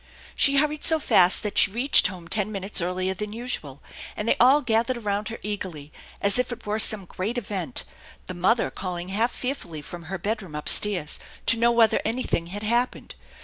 She hurried so fast that she reached home ten minutes earlier than usual, and they all gathered around her eagerly as if it were some great event, the mother calling half fear fully from her bedroom up stairs to know whether anything had happened.